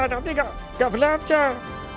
nanti gak belajar